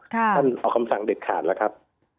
ท่านออกคำสั่งเด็ดขาดแล้วครับ